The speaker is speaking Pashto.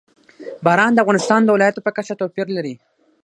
باران د افغانستان د ولایاتو په کچه توپیر لري.